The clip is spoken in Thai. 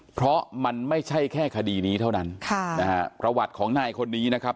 เพราะมันไม่ใช่แค่คดีนี้เท่านั้นค่ะนะฮะประวัติของนายคนนี้นะครับ